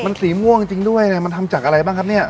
มันสีม่วงจริงด้วยเนี่ยมันทำจากอะไรบ้างครับเนี่ย